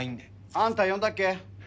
あんた呼んだっけ？